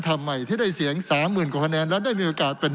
ทำไมที่ได้เสียงสามหมื่นกว่าคะแนนแล้วได้มีโอกาสเป็น